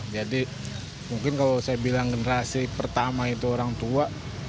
jadi mungkin kalau saya bilang generasi pertama itu orang tua